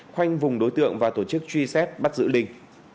khoanh vùng đối tượng và tổ chức truy xét bắt giữ linh